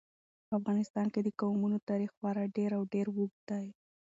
په افغانستان کې د قومونه تاریخ خورا ډېر او ډېر اوږد دی.